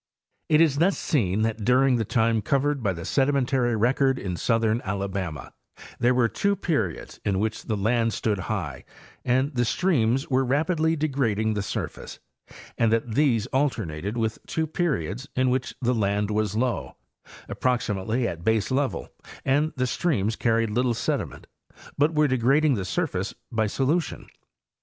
. It is thus seen that during the time covered by the sedimentary record in southern Alabama there were two periods in which the land stood high and the streams were rapidly degrading the surface, and that these alternated with two periods in which the land was low, approximately at baselevel, and the streams carried little sediment, but were degrading the surface by solu tion.